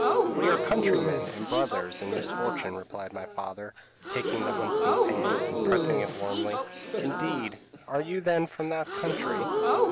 p> "'We are countrymen, and brothers in misfortune,' replied my father, taking the huntsman's hand, and pressing it warmly. "'Indeed! Are you then from that country?'